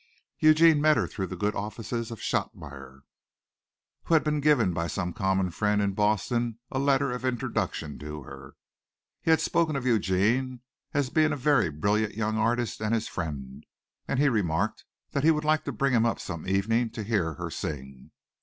Eugene met her through the good offices of Shotmeyer, who had been given by some common friend in Boston a letter of introduction to her. He had spoken of Eugene as being a very brilliant young artist and his friend, and remarked that he would like to bring him up some evening to hear her sing.